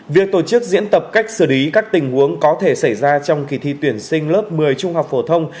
việc tổ chức diễn tập cách xử lý các tình huống có thể xảy ra trong kỳ thi tuyển sinh lớp một mươi trung học phổ thông